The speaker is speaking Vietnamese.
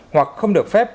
hoặc không được phép